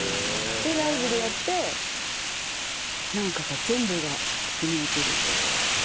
でライヴでやってなんかが全部が腑に落ちるっていうか。